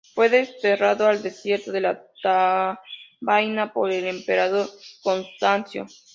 Fue desterrado al desierto de la Tebaida por el emperador Constancio.